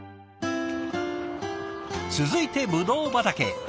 続いてブドウ畑へ。